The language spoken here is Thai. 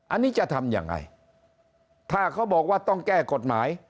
อันนี้จะทำยังไงถ้าเขาบอกว่าต้องแก้กฎหมาย